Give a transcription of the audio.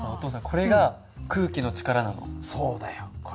これが空気の力さ。